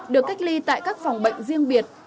được cách ly tại các phòng bệnh riêng biệt